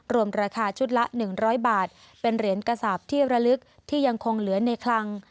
รวมราคาชุดละ๑๐๐บาทเป็นเหรียญกระสาปที่ระลึกที่ยังคงเหลือในคลัง